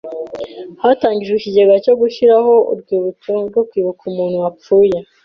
Hatangijwe ikigega cyo gushyiraho urwibutso rwo kwibuka umuntu wapfuye.